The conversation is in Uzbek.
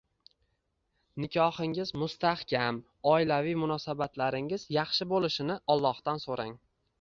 Nikohingiz mustahkam, oilaviy munosabatlaringiz yaxshi bo‘lishini Allohdan so‘rang.